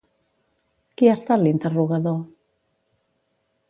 Qui ha estat l'interrogador?